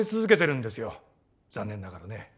残念ながらね。